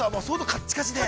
◆カッチカチで。